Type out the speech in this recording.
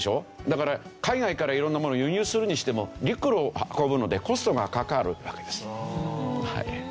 だから海外から色んな物を輸入するにしても陸路を運ぶのでコストがかかるわけです。